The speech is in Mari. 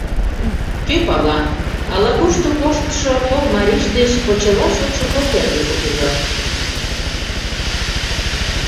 Кӧ пала, ала-кушто коштшо кок марийже деч почела шочшо кок эргыже уло.